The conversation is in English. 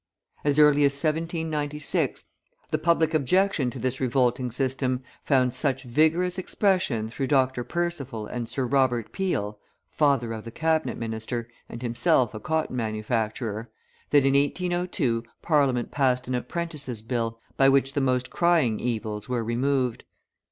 As early as 1796, the public objection to this revolting system found such vigorous expression through Dr. Percival and Sir Robert Peel (father of the Cabinet Minister, and himself a cotton manufacturer), that in 1802 Parliament passed an Apprentices' Bill, by which the most crying evils were removed.